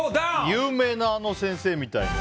有名なあの先生みたいに。